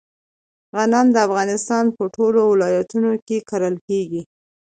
غنم د افغانستان په ټولو ولایتونو کې کرل کیږي.